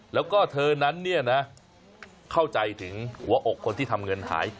แล้วก็เธอนั้นเนี่ยนะเข้าใจถึงหัวอกคนที่ทำเงินหาย